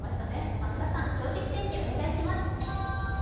増田さん、「正直天気」お願いします。